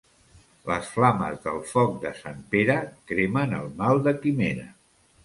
Les flames del foc de Sant Pere cremen el mal de quimera.